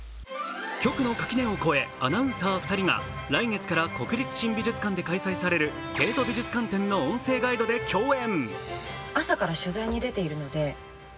局の垣根を越え、アナウンサー２人が来月から国立新美術館で開催されるテート美術館展の音声ガイドで共演。